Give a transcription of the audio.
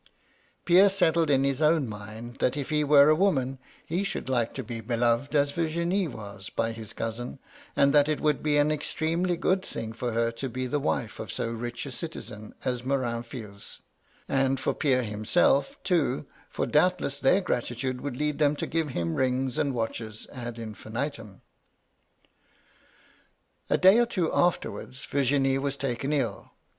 Pierre settled in his own mind, that if he were a woman, he should like to be beloved as Virginie was, by his cousin, and that it would be an extremely good thing for her to be the wife of so rich a citizen as Morin Fils, — and for Pierre himself, too, for doubtless their gratitude would lead them to give him rings and watches ad infinitum. "A day or two afterwards, Virginie was taken ill.